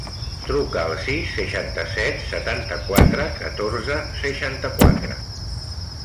Truca al sis, seixanta-set, setanta-quatre, catorze, seixanta-quatre.